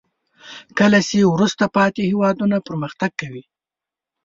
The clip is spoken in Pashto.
کله چې وروسته پاتې هیوادونه پرمختګ کوي.